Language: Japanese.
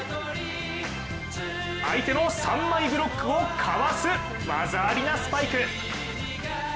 相手の３枚ブロックをかわす、技ありなスパイク。